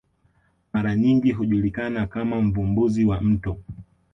mara nyingi hujulikana kama mvumbuzi wa mto